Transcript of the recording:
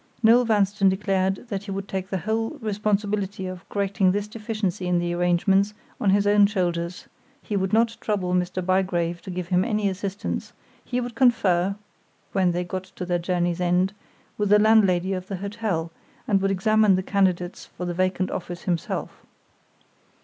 Noel Vanstone declared that he would take the whole responsibility of correcting this deficiency in the arrangements, on his own shoulders; he would not trouble Mr. Bygrave to give him any assistance; he would confer, when they got to their journey's end, with the landlady of the hotel, and would examine the candidates for the vacant office himself.